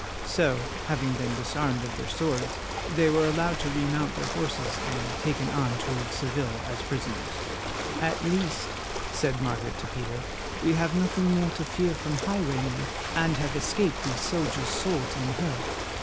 So, having been disarmed of their swords, they were allowed to remount their horses and taken on towards Seville as prisoners. "At least," said Margaret to Peter, "we have nothing more to fear from highwaymen, and have escaped these soldiers' swords unhurt."